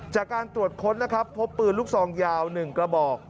จากการตรวจค้นนะครับพบปืนลูกซองยาว๑กระบอก